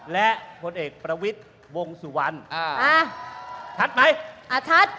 และคนเอกประวิทย์วงสุวรรค์